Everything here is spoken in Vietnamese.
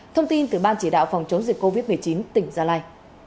thông tin từ ban chỉ đạo phòng chống dịch covid một mươi chín tỉnh gia lai